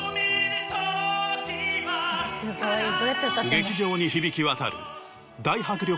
劇場に響き渡る。